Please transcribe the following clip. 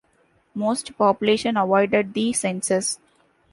Most population avoided the census.